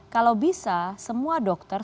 kalau bisa semua dokter